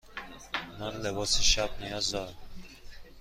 من لباس شب نیاز دارم.